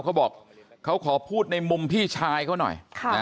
เขาบอกเขาขอพูดในมุมพี่ชายเขาหน่อย